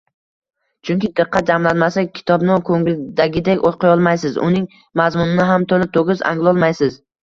Chunki diqqat jamlanmasa, kitobni koʻngildagidek oʻqiyolmaysiz, uning mazmunini ham toʻla-toʻkis anglolmaysiz